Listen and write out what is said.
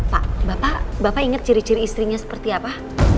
pak bapak ingat ciri ciri istrinya seperti apa